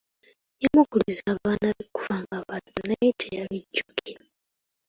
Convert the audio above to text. Yamukuliza abaana be okuva nga bato naye teyabijjukira.